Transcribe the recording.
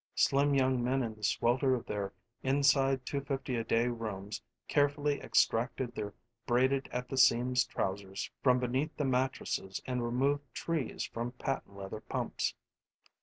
Slim young men in the swelter of their inside two fifty a day rooms carefully extracted their braided at the seams trousers from beneath the mattresses and removed trees from patent leather pumps.